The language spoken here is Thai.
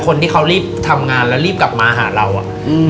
คนที่เขารีบทำงานแล้วรีบกลับมาหาเราอ่ะอืม